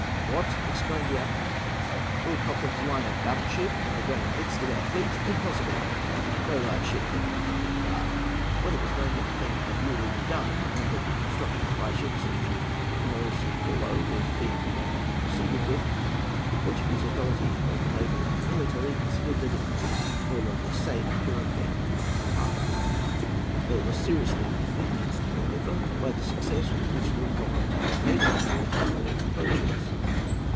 "What!" exclaimed the Admiral, "Lord Cochrane's line of battle ship in the very midst of our fleet! Impossible! No large ship can have come up in the dark." When it was known that the thing had really been done, and that the construction of fireships at the Moro San Paulo was being rapidly proceeded with, the Portuguese authorities, both naval and military, considered that it would be no longer safe to remain in Bahia Harbour. They were seriously inconvenienced, moreover, by the success with which Lord Cochrane had blockaded the port and all its approaches.